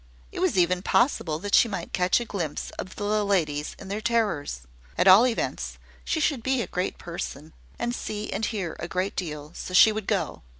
It was even possible that she might catch a glimpse of the ladies in their terrors. At all events, she should be a great person, and see and hear a great deal: so she would go.